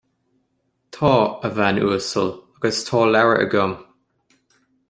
Tá, a bhean uasal, agus tá leabhar agam